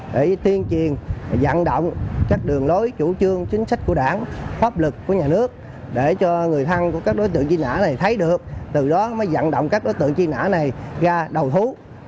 để tiên truyền dặn động các đường lối chủ trương chính sách của đảng pháp lực của nhà nước để cho người thân của các đối tượng truy nã này thấy được từ đó mới dẫn động các đối tượng truy nã này ra đầu thú